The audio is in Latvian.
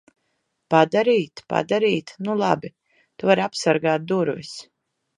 Padarīt? Padarīt? Nu labi. Tu vari apsargāt durvis.